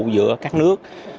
giữa các nước